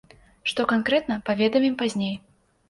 Што канкрэтна, паведамім пазней.